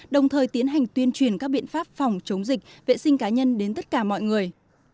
đồng thời tiến hành tuyên truyền các biện pháp phòng chống dịch vệ sinh cá nhân đến tất cả mọi người